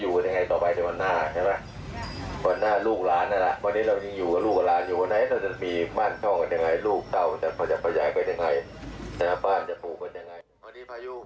แต่บ้านจะปลูกกันอย่างไร